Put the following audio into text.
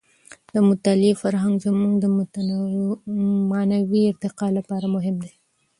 د مطالعې فرهنګ زموږ د معنوي ارتقاع لپاره مهم دی.